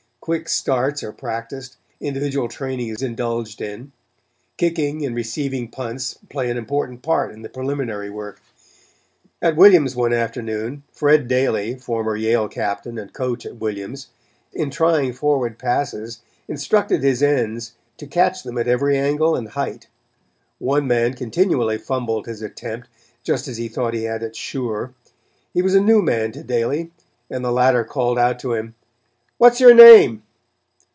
Quick starts are practiced, individual training is indulged in. Kicking and receiving punts play an important part in the preliminary work. [Illustration: HOUSE IN DISORDER] At Williams one afternoon, Fred Daly, former Yale Captain and coach at Williams, in trying forward passes instructed his ends to catch them at every angle and height. One man continually fumbled his attempt, just as he thought he had it sure. He was a new man to Daly, and the latter called out to him: "What is your name?"